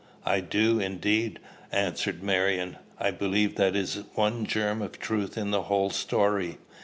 "I do, indeed," answered Marion. "I believe that is the one germ of truth in the whole story.